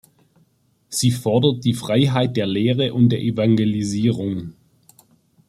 Sie fordert die Freiheit der Lehre und der Evangelisierung.